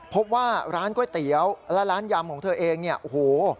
พบว่าร้านก๋วยเตี๋ยวและร้านยำของเธอเองเนี่ยโอ้โห